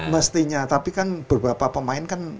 mestinya tapi kan beberapa pemain kan